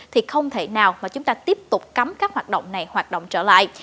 thì không thể nào mà chúng ta tiếp tục cấm các hoạt động này hoạt động trở lại